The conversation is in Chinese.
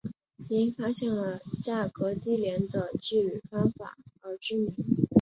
因发现了价格低廉的制铝方法而知名。